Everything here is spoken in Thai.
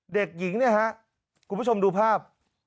เด็กหญิงเนี่ยฮะคุณผู้ชมดูภาพ